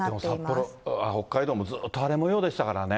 札幌、北海道もずっと荒れもようでしたからね。